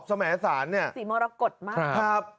สมแสนเนี่ยสีมรกฎมากครับ